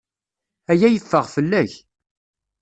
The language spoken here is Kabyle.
Aya yeffeɣ fell-ak.